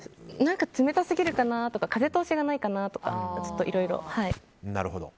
冷たすぎるかなとか風通しがないかなとかいろいろ。